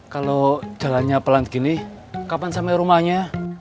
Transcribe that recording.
kalau jalannya pelan gini kapan sampai rumahnya